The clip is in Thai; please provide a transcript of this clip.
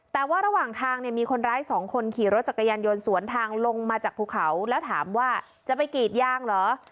แต่ว่าระหว่างทางเนี่ยมีคนร้ายสองคนขี่รถจักรยานยนต์สวนทางลงมาจากภูเขาแล้วถามว่าจะไปกรีดยางเหรอ